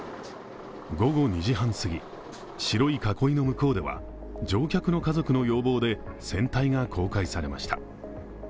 午後２時半過ぎ、白い囲いの向こうでは乗客の家族の要望で船体が公開されました。